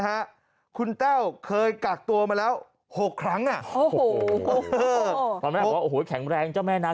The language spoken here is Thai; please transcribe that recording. ฮะคุณเป้าเคยกักตัวมาแล้ว๖ครั้งแต่แข็งแรงจ้างแม่นะ